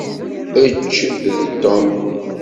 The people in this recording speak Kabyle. Ečč d Tom!